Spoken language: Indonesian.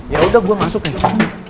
ya udah gue masuk nih